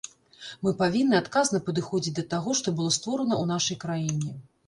Мы павінны адказна падыходзіць да таго, што было створана ў нашай краіне.